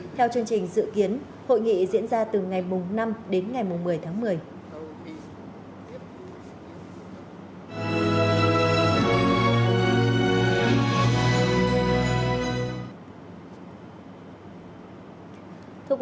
theo chương trình dự kiến hội nghị diễn ra từ ngày năm đến ngày một mươi tháng một mươi